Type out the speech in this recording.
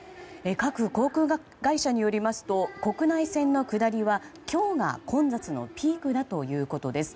各航空会社によりますと国内線の下りは今日が混雑のピークだということです。